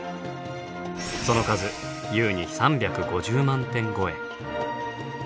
その数優に３５０万点超え。